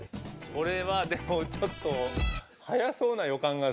これはでも、ちょっと。